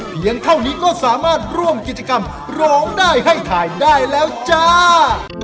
เท่านี้ก็สามารถร่วมกิจกรรมร้องได้ให้ถ่ายได้แล้วจ้า